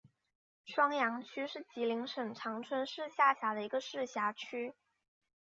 双阳区是吉林省长春市下辖的一个市辖区。